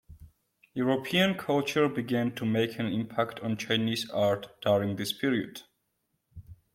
European culture began to make an impact on Chinese art during this period.